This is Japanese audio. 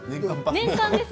年間です。